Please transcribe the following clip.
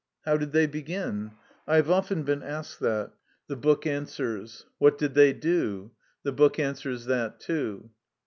How did they begin ? I have often been asked that. The book answers. vi NOTE What did they do? The book answers that too.